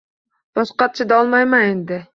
Boshqa chidolmayman endi –